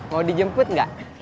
mau dijemput gak